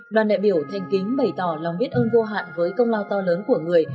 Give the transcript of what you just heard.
đoàn đại biểu thanh kính bày tỏ lòng biết ơn vô hạn với công lao to lớn của người